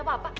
eh apaan sih